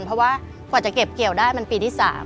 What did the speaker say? เพราะว่ากว่าจะเก็บเกี่ยวได้มันปีที่๓